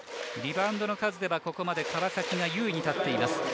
リバウンドの数ではここまで川崎が優位に立っています。